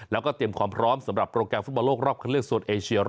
แล้วก็เตรียมความพร้อมสำหรับโปรแกรมฟุตบอลโลกรอบคันเลือกโซนเอเชีย๑๐